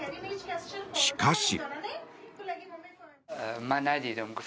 しかし。